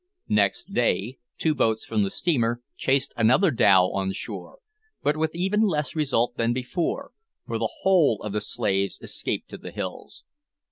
Next day two boats from the steamer chased another dhow on shore, but with even less result than before, for the whole of the slaves escaped to the hills.